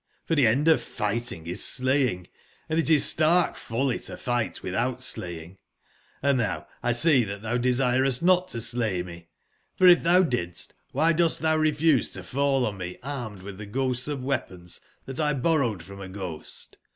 for the end of fighting is slaying; and it is stark folly to fight without slaying; and now! see that thou desircst not to slay me: for if thou didst, why dost thou refuse to fallonmearmed with the ghosts of weapons that X borrowed from a ghost